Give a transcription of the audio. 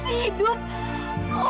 kamu sudah mau sama tien